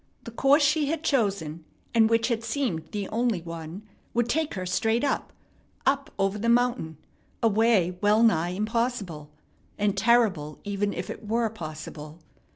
The course she had chosen, and which had seemed the only one, would take her straight up, up over the mountain, a way well nigh impossible, and terrible even if it were possible.